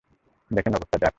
দেখেন অবস্থা, ড্রাক।